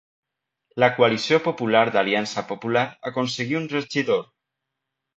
La coalició popular d'Aliança Popular aconseguí un regidor.